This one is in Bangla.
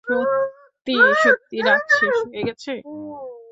সত্যি-সত্যি রাত শেষ হয়ে গেছে।